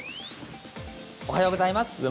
おはようございます。